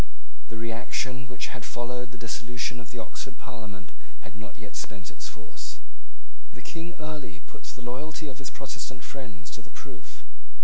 The reaction which had followed the dissolution of the Oxford parliament had not yet spent its force. The King early put the loyalty of his Protestant friends to the proof.